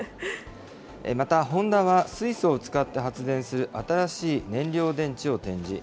また、ホンダは水素を使って発電する、新しい燃料電池を展示。